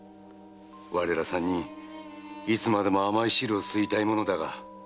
我ら三人いつまでも甘い汁を吸いたいものだが。